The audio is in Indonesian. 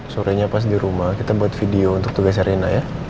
sore nya pas di rumah kita buat video untuk tugas reyna ya